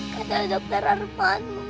kata dokter arman